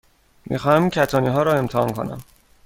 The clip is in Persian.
می خواهم این کتانی ها را امتحان کنم.